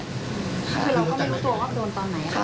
คือเราก็ไม่รู้ตัวว่าโดนตอนไหนค่ะ